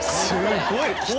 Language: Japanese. すごい。